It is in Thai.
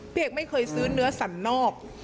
พี่แอมไม่เคยซื้อเนื้อสั่นนอก